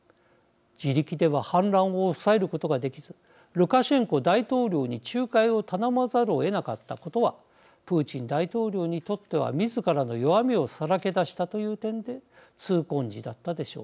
自力では反乱を抑えることができずルカシェンコ大統領に仲介を頼まざるをえなかったことはプーチン大統領にとっては自らの弱みをさらけ出したという点で痛恨事だったでしょう。